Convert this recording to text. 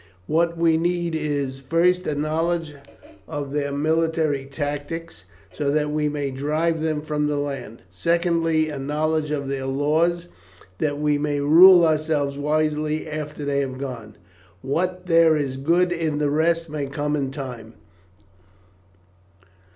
What we need is first a knowledge of their military tactics, so that we may drive them from the land; secondly, a knowledge of their laws, that we may rule ourselves wisely after they have gone. What there is good in the rest may come in time.